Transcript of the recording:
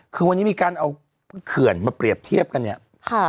คือวันนี้มีการเอาเขื่อนมาเปรียบเทียบกันเนี่ยค่ะ